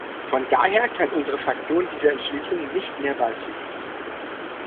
Von daher kann unsere Fraktion dieser Entschließung nicht mehr beipflichten.